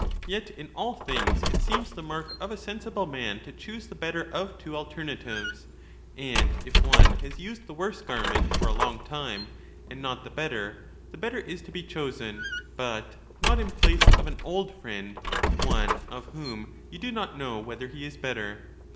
Yet in all things it seems the mark of a sensible man to choose the better of two alternatives ; and if one has used the worse garment for a long time and not the 40 better, the better is to be chosen, but liot in place of an old friend one of whom you do not know whether he is better.